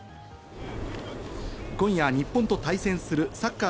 今夜、日本と対戦するサッカー